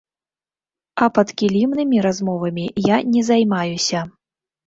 А падкілімнымі размовамі я не займаюся.